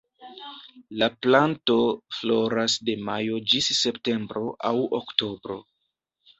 La planto floras de majo ĝis septembro aŭ oktobro.